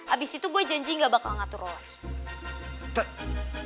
abis itu gue janji gak bakal ngatur lo lagi